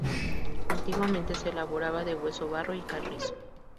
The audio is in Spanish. Antiguamente se elaboraba de hueso, barro y carrizo.